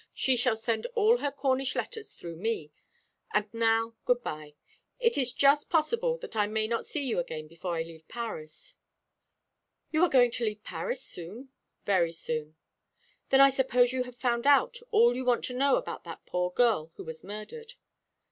She shall send all her Cornish letters through me. And now good bye. It is just possible that I may not see you again before I leave Paris." "You are going to leave Paris soon?" "Very soon." "Then I suppose you have found out all you want to know about that poor girl who was murdered?"